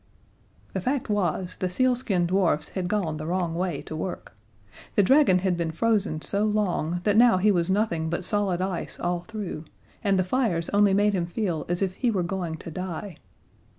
The fact was, the sealskin dwarfs had gone the wrong way to work: The dragon had been frozen so long that now he was nothing but solid ice all through, and the fires only made him feel as if he were going to die.